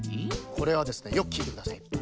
これはですねよくきいてください。